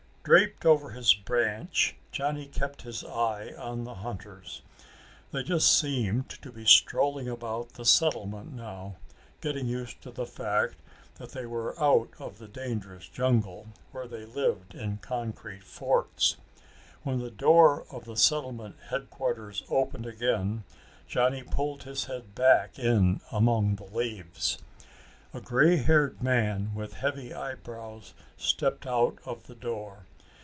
Draped over his branch, Johnny kept his eye on the hunters. They just seemed to be strolling about the settlement now getting used to the fact that they were out of the dangerous jungle where they lived in concrete forts. When the door of the settlement headquarters opened again, Johnny pulled his head back in among the leaves. A grey haired man with heavy eyebrows stepped out of the door.